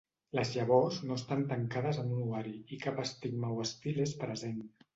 Les llavors no estan tancades en un ovari i cap estigma o estil és present.